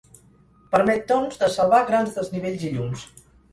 Permet doncs de salvar grans desnivells i llums.